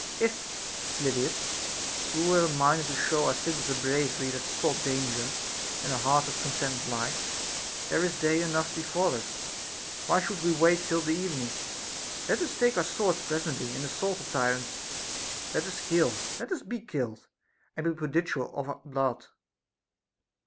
If, Phyllidas, we were minded to show our citizens a bravery that sought danger, and a heart that contemned life, there is day enough before us ; why should we wait till the evening \ Let us take our swords pres ently, and assault the tyrants. Let us kill, let us be killed, and be prodigal of our blood.